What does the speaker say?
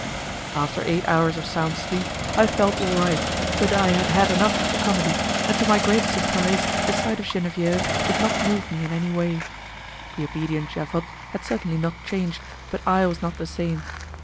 After eight hours of sound sleep I felt all right, but I had had enough of the comedy, and to my great surprise the sight of Genevieve did not move me in any way. The obedient Javotte had certainly not changed, but I was not the same.